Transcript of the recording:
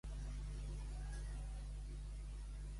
Patir mort i passió.